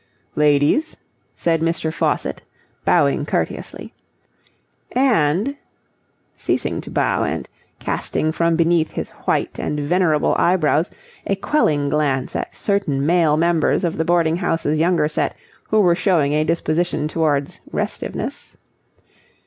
"Ladies," said Mr. Faucitt, bowing courteously, "and..." ceasing to bow and casting from beneath his white and venerable eyebrows a quelling glance at certain male members of the boarding house's younger set who were showing a disposition towards restiveness